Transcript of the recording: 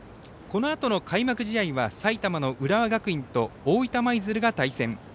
このあとの開幕試合は埼玉の浦和学院と大分舞鶴が対戦。